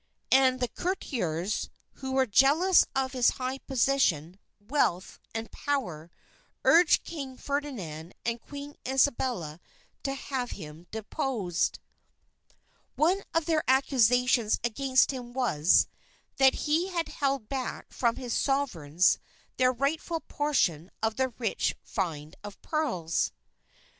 And the courtiers, who were jealous of his high position, wealth, and power, urged King Ferdinand and Queen Isabella to have him deposed. One of their accusations against him was, that he had held back from his Sovereigns their rightful portion of the rich find of pearls.